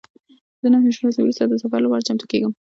زه نهه ویشت ورځې وروسته د سفر لپاره چمتو کیږم.